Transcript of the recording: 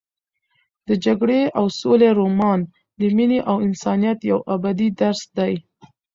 د جګړې او سولې رومان د مینې او انسانیت یو ابدي درس دی.